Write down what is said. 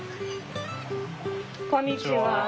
こんにちは。